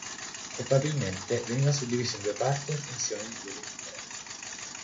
Probabilmente veniva suddiviso in due parti in funzione di due letture.